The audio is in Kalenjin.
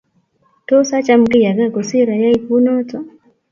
Tos acham kiy age kosiir ayay kunoto